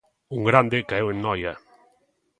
Un grande caeu en Noia.